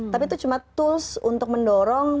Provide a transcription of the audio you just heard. tapi itu cuma tools untuk mendorong